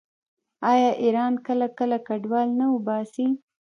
آیا ایران کله کله کډوال نه وباسي؟